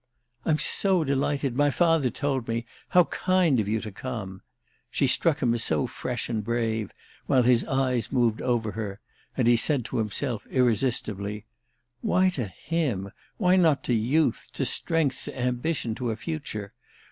"I'm so delighted; my father told me. How kind of you to come!" She struck him as so fresh and brave, while his eyes moved over her, that he said to himself irresistibly: "Why to him, why not to youth, to strength, to ambition, to a future?